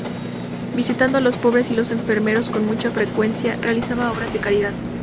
Visitando a los pobres y los enfermos con mucha frecuencia, realizaba obras de caridad.